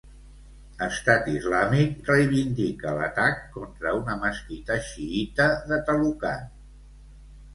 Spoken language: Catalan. Estat Islàmic reivindica l'atac contra una mesquita xiïta de Talukan.